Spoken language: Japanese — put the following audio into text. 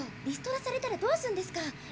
リストラされたらどうするんですか？